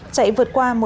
chạy vượt qua một năm km